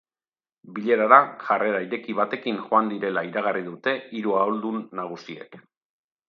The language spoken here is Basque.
Bilerara jarrera ireki batekin joan direla iragarri dute hiru ahaldun nagusiek.